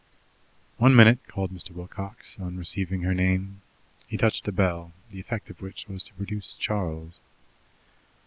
"One minute!" called Mr. Wilcox on receiving her name. He touched a bell, the effect of which was to produce Charles.